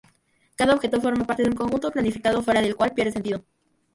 Cada objeto forma parte de un conjunto planificado, fuera del cual pierde sentido.